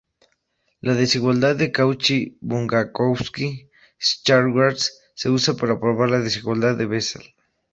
La desigualdad de Cauchy-Bunyakovsky-Schwarz se usa para probar la desigualdad de Bessel.